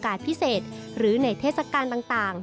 พิเศษหรือในเทศกาลต่าง